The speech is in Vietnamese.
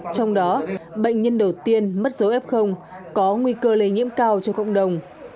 trong đó bệnh nhân đầu tiên mất dấu f có nguy cơ lây nhiễm cao cho cộng đồng